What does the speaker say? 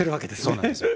そうなんですよ。